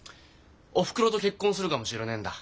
おふくろと結婚するかもしれねえんだ。